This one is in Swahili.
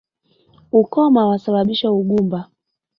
Ukoma wasababisa ugumba